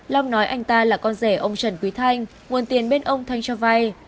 long nói anh ta là con rể ông trần quý thanh nguồn tiền bên ông thanh cho vay